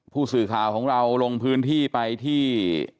ผู้สื่อข่าวของเราลงพื้นที่ไปที่